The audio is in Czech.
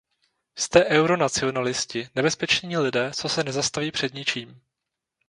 Jste euronacionalisti, nebezpeční lidé, co se nezastaví před ničím.